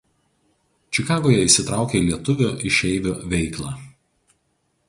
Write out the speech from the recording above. Čikagoje įsitraukė į lietuvių išeivių veiklą.